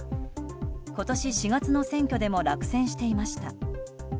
今年４月の選挙でも落選していました。